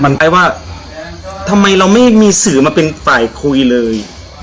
มันไปว่าทำไมเราไม่มีสื่อมาเป็นฝ่ายคุยเลย